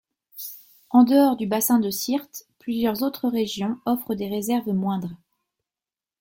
En dehors du bassin de Syrte, plusieurs autres régions offrent des réserves moindres.